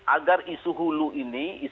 agar isu hulu ini isu hulu ini bisa dikendalikan